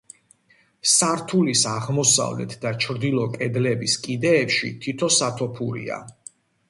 სართულის აღმოსავლეთ და ჩრდილო კედლების კიდეებში თითო სათოფურია.